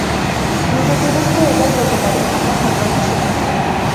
নিজের জন্য শুধু এটাই বলতে পারি আমার ভালবাসা সত্য।